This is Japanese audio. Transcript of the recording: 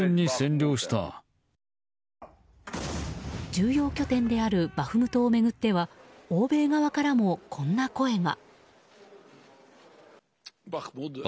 重要拠点であるバフムトを巡っては欧米側からも、こんな声が。